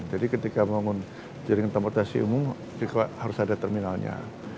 jadi ketika bangun jaringan transportasi umum harus ada terminalnya